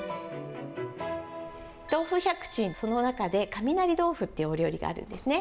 豆腐百珍、その中で雷豆腐っていうお料理があるんですね。